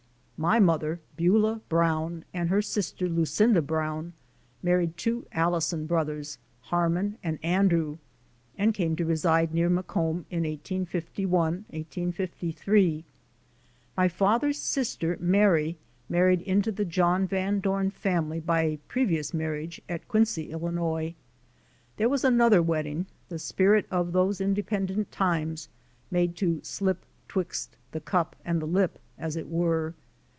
My mother, Beulah Brown, and her sister, Lucinda Brown, married two Allison brothers, Harmon and Andrew, and came to reside near Macomb in 1851 1853. My father's sister, Mary, married into the John Van Dorn family by a previous marriage at Quincy, Illinois. There was another wedding, the spirit of those independent times, made to slip *^Twixt the cup and the lip" as it were.